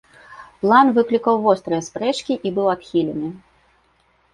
План выклікаў вострыя спрэчкі і быў адхілены.